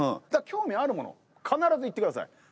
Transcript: だから興味あるもの必ずいって下さい。